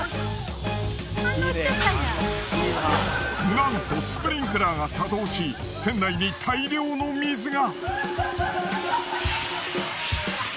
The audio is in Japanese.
なんとスプリンクラーが作動し店内に大量の水が。